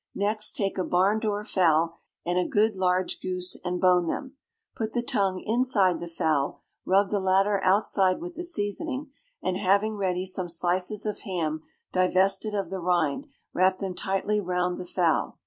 Next take a barn door fowl and a good large goose, and bone them. Put the tongue inside the fowl, rub the latter outside with the seasoning, and having ready some slices of ham divested of the rind, wrap them tightly round the fowl.